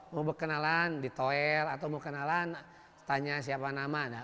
mau berkenalan di toel atau mau kenalan tanya siapa nama